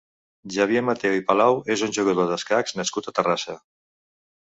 Xavier Mateu i Palau és un jugador d'escacs nascut a Terrassa.